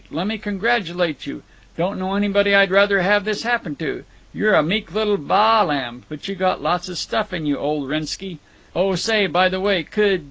Lemme congratulate you. Don't know anybody I'd rather've had this happen to. You're a meek little baa lamb, but you've got lots of stuff in you, old Wrennski. Oh say, by the way, could.